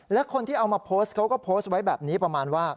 และคนที่เอามาโพสต์เขาก็โพสต์ไว้แบบนี้ประมาณว่า